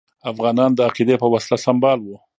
افغانان د عقیدې په وسله سمبال وو.